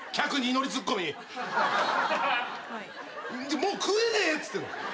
もう食えねえっつってんの。